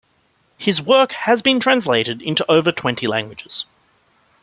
His work has been translated into over twenty languages.